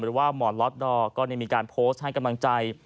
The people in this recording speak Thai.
หรือว่าหมอล็อตดอร์ก็ได้มีการโพสต์ให้กำลังใจ